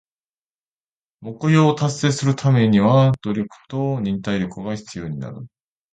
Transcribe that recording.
目標を達成するためには努力と忍耐力が必要になる。